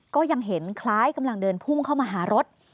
ก็ยังเห็นคล้ายกำลังเดินพุ่งเข้ามาหารถ